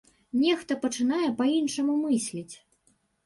Нехта пачынае па-іншаму мысліць.